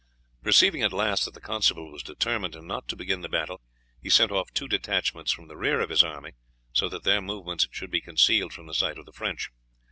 Perceiving at last that the constable was determined not to begin the battle, he sent off two detachments from the rear of his army, so that their movements should be concealed from the sight of the French.